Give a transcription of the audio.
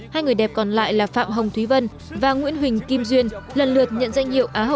hai người đẹp còn lại là phạm hồng thúy vân và nguyễn huỳnh kim duyên lần lượt nhận danh hiệu á hậu hai và á hậu một